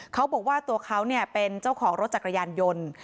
เขาบอกว่าตัวเขาเป็นเจ้าของรถจักรยานยนต์